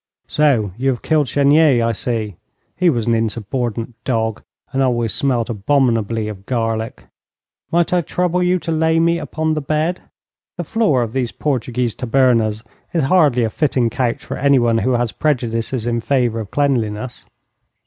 So, you have killed Chenier, I see. He was an insubordinate dog, and always smelt abominably of garlic. Might I trouble you to lay me upon the bed? The floor of these Portuguese tabernas is hardly a fitting couch for anyone who has prejudices in favour of cleanliness.'